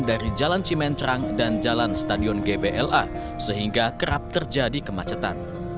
dari jalan cimencrang dan jalan stadion gbla sehingga kerap terjadi kemacetan